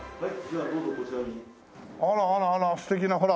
あらあらあら素敵なほら。